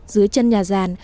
dưới chân nhà giàn